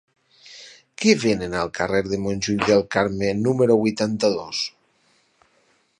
Què venen al carrer de Montjuïc del Carme número vuitanta-dos?